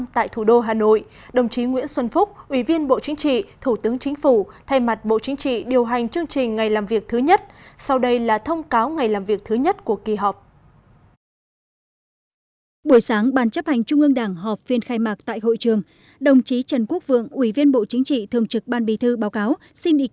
thưa quý vị hội nghị lần thứ một mươi hai ban chấp hành trung ương đảng khóa một mươi hai đã khai mạc sáng hôm nay